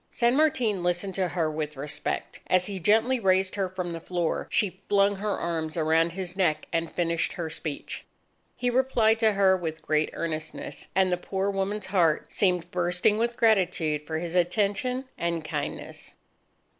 San Martin listened to her with respect. As he gently raised her from the floor, she flung her arms around his neck and finished her speech. He replied to her with great earnestness; and the poor woman's heart seemed bursting with gratitude for his attention and kindness.